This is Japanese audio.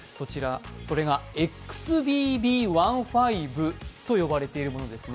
それがＸＢＢ．１．５と呼ばれているものですね。